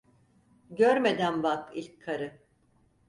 Görmeden bak, ilk karı.